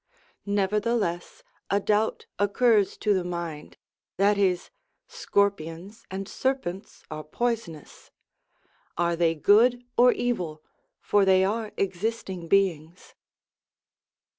Nevertheless a doubt occurs to the mind: that is, scorpions and serpents are poisonous. Are they good or evil, for they are existing beings